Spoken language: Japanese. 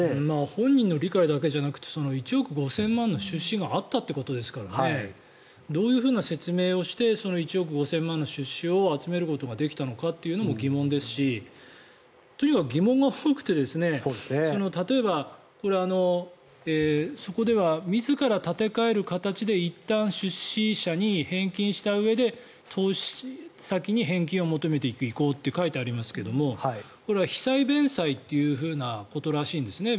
本人の理解だけじゃなくて１億５０００万の出資があったということですからねどういうふうな説明をして１億５０００万円の出資を集めることができたのかも疑問ですしとにかく疑問が多くて例えば、そこでは自ら立て替える形でいったん出資者に返金したうえで投資先に返金を求めていく意向と書いてありますけどこれは非債弁済ということらしいんですね